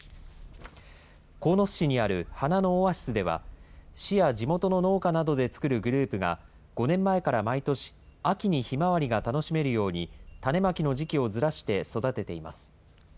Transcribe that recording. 鴻巣市にある花のオアシスでは、市や地元の農家などで作るグループが、５年前から毎年、秋にひまわりが楽しめるように、種まきの時期をずらして育てています。